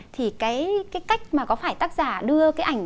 thì cái cách mà có phải tác giả đưa cái ảnh